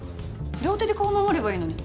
両手で顔守ればいいのに。